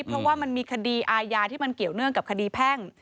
เพราะว่ามันมีคดีอาญาที่มันเกี่ยวเนื่องกับคดีแพ่ง